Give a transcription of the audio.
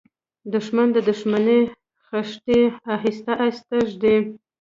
دښمن د دښمنۍ خښتې آهسته آهسته ږدي